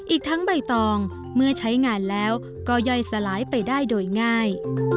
อีกทั้งใบตองเมื่อใช้งานแล้วก็ย่อยสลายไปได้โดยง่าย